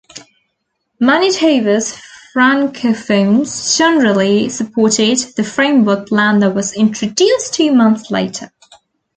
Manitoba's francophones generally supported the framework plan that was introduced two months later.